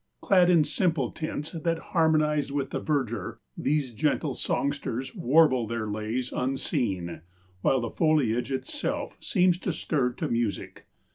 Clad in simple tints that harmonize with the verdure, these gentle songsters warble their lays unseen, while the foliage itself seems stirred to music.